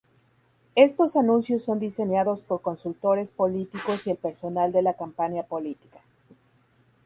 Estos anuncios son diseñados por consultores políticos y el personal de la campaña política.